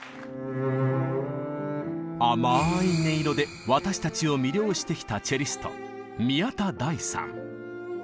甘い音色で私たちを魅了してきたチェリスト